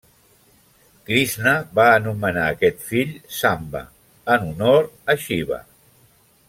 Krixna va anomenar a aquest fill Samba, en honor a Xiva.